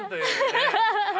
ハハハハ。